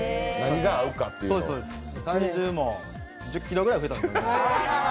体重も１０ｋｇぐらい増えたと思います。